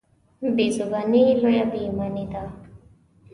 بېزباني لویه بېايماني ده.